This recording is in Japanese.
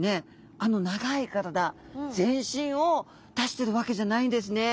あの長い体全身を出してるわけじゃないんですね。